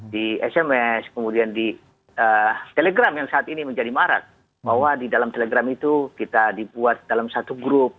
di sms kemudian di telegram yang saat ini menjadi marak bahwa di dalam telegram itu kita dibuat dalam satu grup